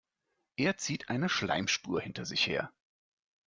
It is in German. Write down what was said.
Er zieht eine Schleimspur hinter sich her.